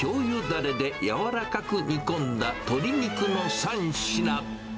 だれで柔らかく煮込んだ鶏肉の３品。